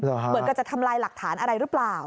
เหมือนกับจะทำลายหลักฐานอะไรหรือเปล่า